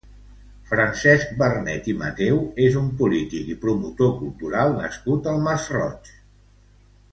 Francesc Vernet i Mateu és un polític i promotor cultural nascut al Masroig.